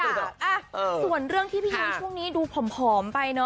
แล้วจะเสร็จสิ้นกระบวนการทุกอย่าง